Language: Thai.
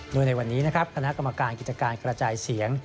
โดยในวันนี้นะครับคณะกรรมการกิจการกระจายเสียง